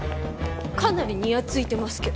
かなりにやついてますけど。